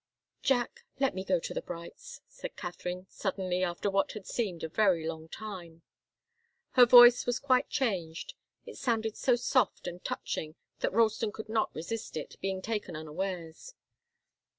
"Jack let me go to the Brights'," said Katharine, suddenly, after what had seemed a very long time. Her voice was quite changed. It sounded so soft and touching that Ralston could not resist it, being taken unawares.